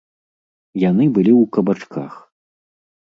Яны былі ў кабачках!